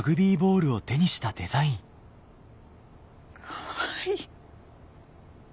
かわいい。